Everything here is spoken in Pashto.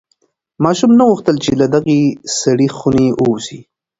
ماشوم نه غوښتل چې له دغې سړې خونې ووځي.